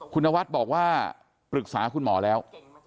คุณนวัดบอกว่าปรึกษาคุณหมอแล้ว